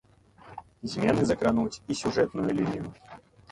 Змены закрануць і сюжэтную лінію.